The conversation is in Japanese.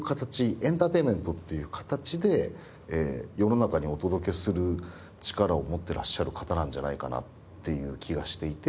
エンターテインメントという形で世の中にお届けする力を持ってらっしゃる方なんじゃないかなっていう気がしていて。